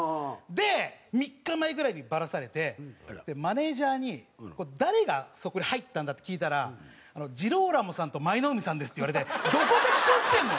で３日前ぐらいにバラされてマネージャーに「誰がそこに入ったんだ？」って聞いたら「ジローラモさんと舞の海さんです」って言われてどこと競ってるの？